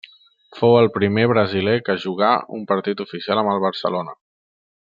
Fou el primer brasiler que jugà un partit oficial amb el Barcelona.